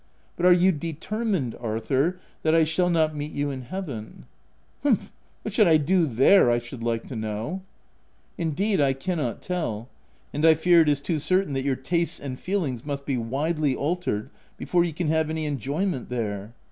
— But are you determined, Arthur, that I shall not meet you in Heaven ?"" Humph! What should I do there, I should like to know V 9 " Indeed, I cannot tell ; and I fear it is too certain that your tastes and feelings must be widely altered before you can have any enjoy ment there.